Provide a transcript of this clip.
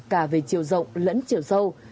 cả về chiều rộng lẫn chiều sâu